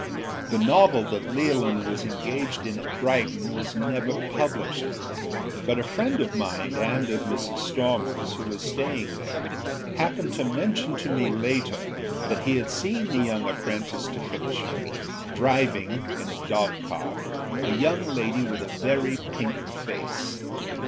â The novel that Leolin was engaged in at Brighton was never published, but a friend of mine and of Mrs. Stormerâs who was staying there happened to mention to me later that he had seen the young apprentice to fiction driving, in a dogcart, a young lady with a very pink face.